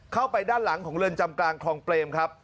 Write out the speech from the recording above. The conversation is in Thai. เข้าไปด้านหลังของเรือนจำกลางคลองเปรมครับ